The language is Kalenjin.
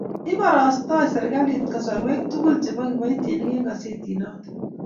ibarastei serikali kasarwesiek tugul chebo kiboitinik eng' gazetinoi.